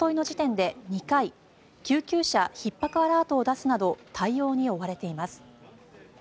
東京消防庁は今月おとといの時点で２回救急車ひっ迫アラートを出すなど対応に追われています。